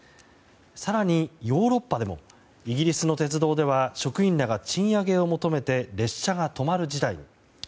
更に、ヨーロッパでもイギリスの鉄道では職員らが賃上げを求めて列車が止まる事態に。